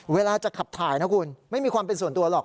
เวลาจะขับถ่ายนะคุณไม่มีความเป็นส่วนตัวหรอก